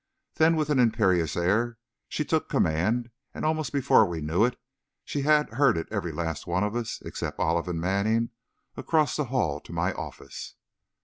Then, with an imperious air, she took command, and almost before we knew it she had herded every last one of us, except Olive and Manning, across the hall to my office.